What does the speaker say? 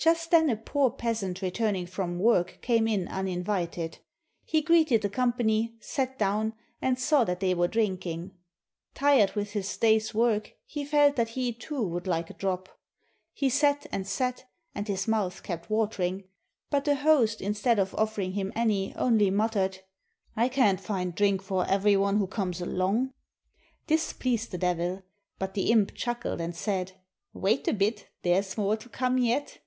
Just then a poor peasant re turning from work came in uninvited. He greeted the company, sat down, and saw that they were drinking. Tired with his day's work, he felt that he too would hke a drop. He sat and sat, and his mouth kept watering, but the host instead of offering him any only muttered : "I can't find drink for every one who comes along." This pleased theDevil: but the imp chuckled and said, "Wait a bit, there's more to come yet!"